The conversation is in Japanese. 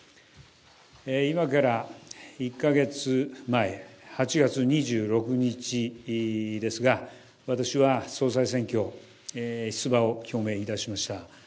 今から１か月前、８月２６日ですが、私は総裁選挙出馬を表明いたしました。